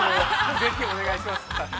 ぜひ、お願いします。